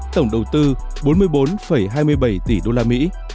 tổng đầu tư bốn mươi bốn hai mươi bảy tỷ usd